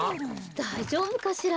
だいじょうぶかしら。